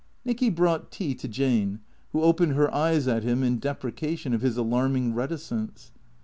Nicky brought tea to Jane, who opened her eyes at him in deprecation of his alarming reticence.